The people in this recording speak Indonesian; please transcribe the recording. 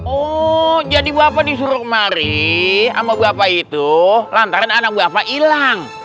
oh jadi bapak disuruh kemari sama bapak itu lantaran anak bapak hilang